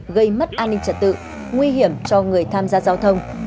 gây mất an ninh trật tự nguy hiểm cho người tham gia giao thông